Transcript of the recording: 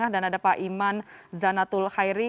dan ada pak iman zanatul khairi